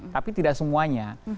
tapi tidak semuanya